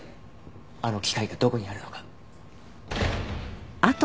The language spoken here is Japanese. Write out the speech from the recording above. あの機械がどこにあるのか。